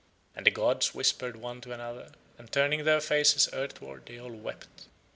And the gods whispered one to another, and turning Their faces earthward They all wept.